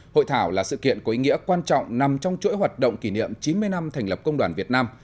hội thảo là sự kiện có ý nghĩa quan trọng nằm trong chuỗi hoạt động kỷ niệm chín mươi năm thành lập công đoàn việt nam